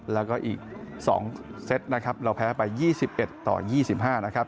แล้วก็อีก๒เซตนะครับเราแพ้ไป๒๑ต่อ๒๕นะครับ